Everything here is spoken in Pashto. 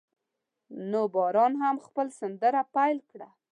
نو باران هم خپل سندره پیل کړه.